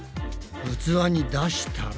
器に出したら。